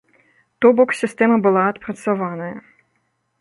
То бок, сістэма была адпрацаваная.